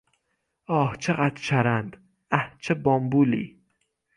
اه چقدر چرند!، اه چه بامبولی!